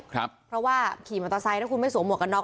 เพราะว่าขี่มอเตอร์ไซค์ถ้าคุณไม่สวมหวกกันน็